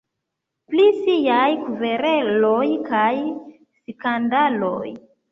Pri siaj kvereloj kaj skandaloj.